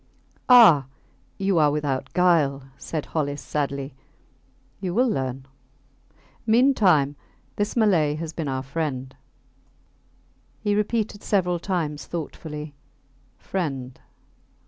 Ah! You are without guile, said Hollis, sadly. You will learn ... Meantime this Malay has been our friend ... He repeated several times thoughtfully, Friend